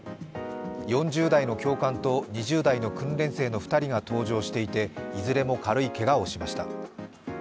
４０代の教官と２０代の訓練生の２人が搭乗していて、いずれも軽いけがをしました。